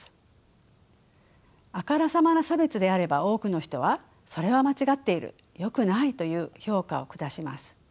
あからさまな差別であれば多くの人はそれは間違っているよくないという評価を下します。